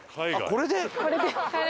これで。